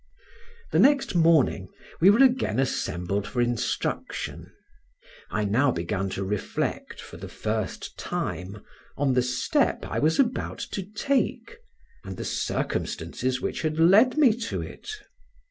The next morning we were again assembled for instruction: I now began to reflect, for the first time, on the step I was about to take, and the circumstances which had led me to it.